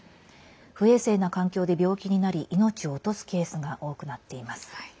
不衛生な環境で病気になり命を落とすケースが多くなっています。